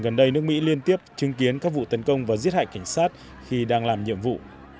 gần đây nước mỹ liên tiếp chứng kiến các vụ tấn công và giết hại cảnh sát khi đang làm nhiệm vụ